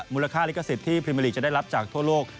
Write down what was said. ลิขลิขสิทธิ์ที่พรีเมอร์ลีกจะได้รับจากทั่วโลก